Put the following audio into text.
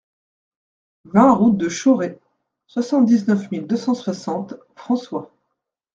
vingt route de Chauray, soixante-dix-neuf mille deux cent soixante François